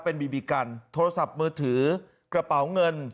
เป็นบีบีกันโทรศัพท์มือถือกระเป๋าเงิน